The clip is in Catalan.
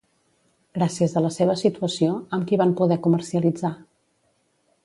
Gràcies a la seva situació, amb qui van poder comercialitzar?